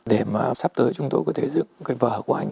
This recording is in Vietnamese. để mà sắp tới chúng tôi có thể dựng cái vở của anh